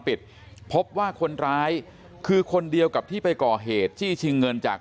ปิดพบว่าคนร้ายคือคนเดียวกับที่ไปก่อเหตุจี้ชิงเงินจาก